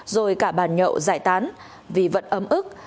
rồi cả bàn nhậu giải tán vì vẫn ấm ức